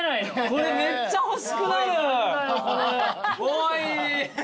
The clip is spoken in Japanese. これめっちゃ欲しくなる。